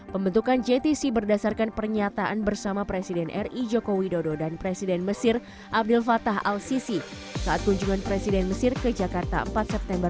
pembentukan jtc berdasarkan pernyataan bersama presiden ri joko widodo dan presiden mesir abdel fattah al sisi saat kunjungan presiden mesir ke jakarta empat september dua ribu lima belas